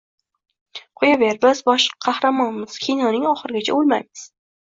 - Qo'yaver biz bosh qahramonmiz - kinoning oxirigacha o'lmaymiz...